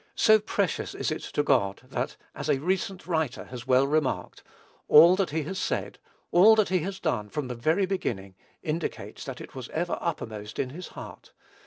So precious is it to God that, as a recent writer has well remarked, "All that he has said, all that he has done, from the very beginning, indicates that it was ever uppermost in his heart.